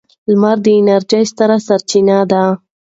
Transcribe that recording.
لمر د انرژۍ ستره سرچینه ده.